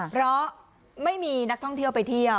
เพราะไม่มีนักท่องเที่ยวไปเที่ยว